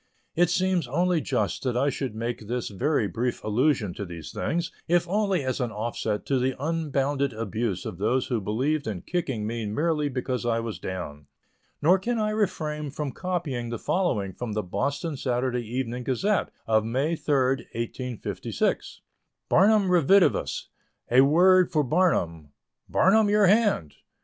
It seems only just that I should make this very brief allusion to these things, if only as an offset to the unbounded abuse of those who believed in kicking me merely because I was down; nor can I refrain from copying the following from the Boston Saturday Evening Gazette, of May 3, 1856: BARNUM REDIVIVUS. A WORD FOR BARNUM. BARNUM, your hand!